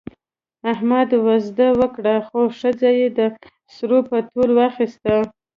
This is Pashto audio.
احمد وزده وکړه، خو ښځه یې د سرو په تول واخیسته.